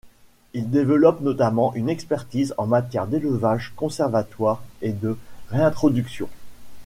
Il développe notamment une expertise en matière d'élevage conservatoire et de réintroduction.